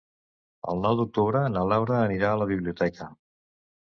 El nou d'octubre na Laura anirà a la biblioteca.